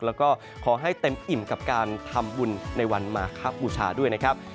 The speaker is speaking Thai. แล้วก็ขอให้เต็มอิ่มกับการทำบุญในวันมาคบูชาด้วยนะครับ